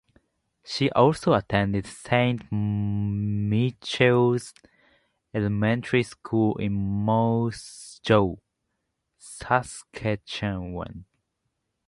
She also attended Saint Michael's elementary school in Moose Jaw, Saskatchewan.